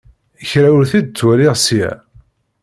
Kra ur t-id-ttwaliɣ ssya.